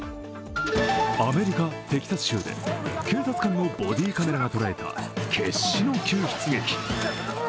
アメリカ・テキサス州で警察官のボディーカメラが捉えた決死の救出劇。